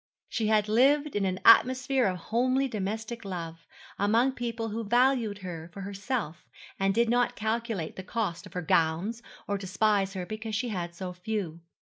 She had lived in an atmosphere of homely domestic love, among people who valued her for herself, and did not calculate the cost of her gowns, or despise her because she had so few.